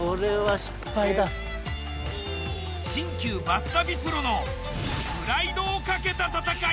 新旧バス旅プロのプライドをかけた戦い。